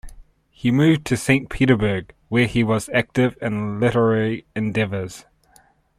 He moved to Saint Petersburg, where he was active in literary endeavors.